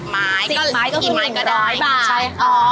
๑๐ไม้ก็คือ๑๐๐บาทใช่ค่ะอ๋อ